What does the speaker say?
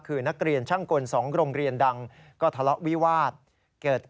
คือนักเรียนช่างกล๒โรงเรียนดังก็ทะเลาะวิวาสเกิด